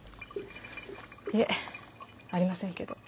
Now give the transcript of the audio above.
いえありませんけど。